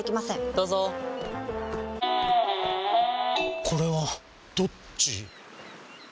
どうぞこれはどっち？